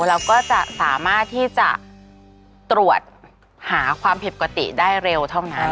เราก็จะสามารถที่จะตรวจหาความผิดปกติได้เร็วเท่านั้น